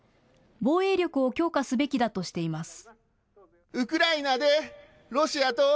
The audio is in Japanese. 防衛力を強化すべきだとしています。